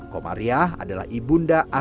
komariah adalah ibunda aska muar